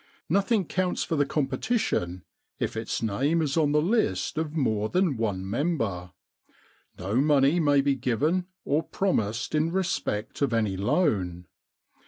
Nothing counts for the competition if its name is on the list of more than one member. No m.oney may be given or promised in respect of any loan.'